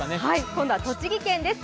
今度は栃木県です